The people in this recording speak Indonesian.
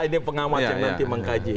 ini pengamat yang nanti mengkaji